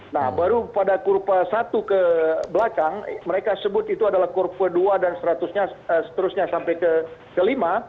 nah baru pada kurva satu ke belakang mereka sebut itu adalah kurva dua dan seterusnya sampai kelima